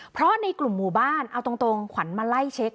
เพราะในกลุ่มหมู่บ้านเอาตรงขวัญมาไล่เช็ค